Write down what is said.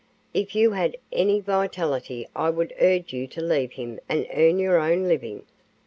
If you had any vitality I would urge you to leave him and earn your own living."